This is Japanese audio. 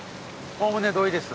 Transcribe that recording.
おおむね同意です。